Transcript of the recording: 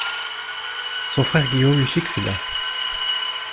Son frère Guillaume lui succéda.